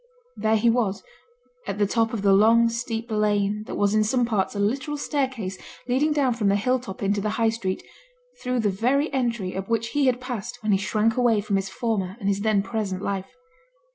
There he was, at the top of the long, steep lane that was in some parts a literal staircase leading down from the hill top into the High Street, through the very entry up which he had passed when he shrank away from his former and his then present life.